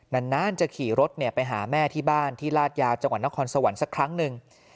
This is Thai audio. นานจะขี่รถไปหาแม่ที่บ้านที่ลาดยาวจังหวัดนครสวรรค์สักครั้งหนึ่ง